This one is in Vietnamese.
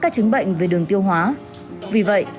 các chứng bệnh về đường tiêu hóa vì vậy